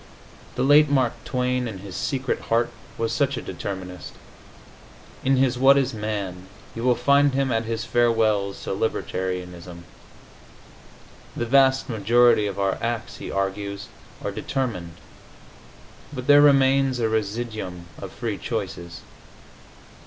The late Mark Twain, in his secret heart, was such a determinist. In his "What Is Man?" you will find him at his farewells to libertarianism. The vast majority of our acts, he argues, are determined, but there remains a residuum of free choices.